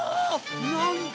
なんと。